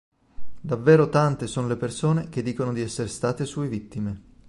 Davvero tante son le persone che dicono di esser state sue vittime.